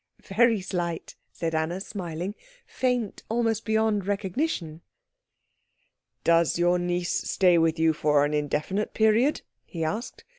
"Very slight," said Anna, smiling, "faint almost beyond recognition." "Does your niece stay with you for an indefinite period?" he asked.